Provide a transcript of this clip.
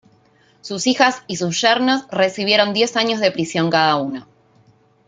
Sus hijas y sus yernos recibieron diez años de prisión cada uno.